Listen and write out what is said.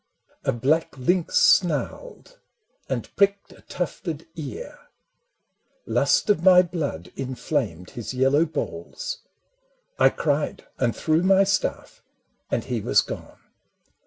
A black lynx snarled and pricked a tufted ear ; Lust of my blood inflamed his yellow balls : I cried and threw my staff and he was gone.